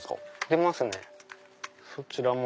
出ますねそちらも。